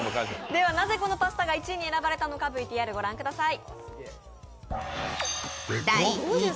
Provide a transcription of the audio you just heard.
ではなぜこのパスタが１位に選ばれたのかＶＴＲをご覧ください。